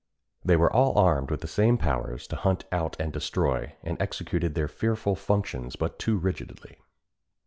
They were all armed with the same powers to hunt out and destroy, and executed their fearful functions but too rigidly.